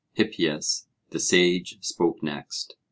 Hippias the sage spoke next.